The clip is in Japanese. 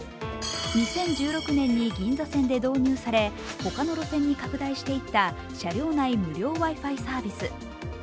２０１６年に銀座線で導入され、他の路線に拡大して行った車両内無料Ｗｉ−Ｆｉサービス。